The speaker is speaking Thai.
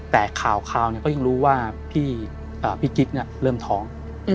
แต่ข่าวก็ยังรู้ว่าพี่กิ๊กเริ่มท้อง